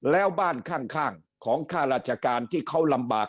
แล้วบ้านข้างของข้าราชการที่เขาลำบาก